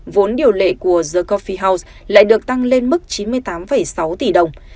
vốn điều lệ của the cophe house lại được tăng lên mức chín mươi tám sáu tỷ đồng